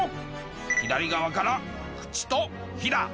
左側から「口」と「日」だ！